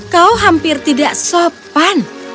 kau hampir tidak sopan